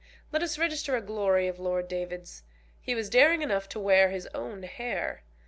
Let us register a glory of Lord David's. He was daring enough to wear his own hair.